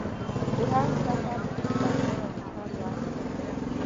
د حج سفر لپاره موټر ورکړ.